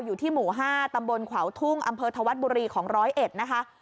อยู่ที่หมู่๕ตำบลขวาวทุ่งอำเภอธวัดบุรีของร้อยเอ็ดนะคะ